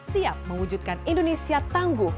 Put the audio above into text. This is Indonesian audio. siap mewujudkan indonesia tangguh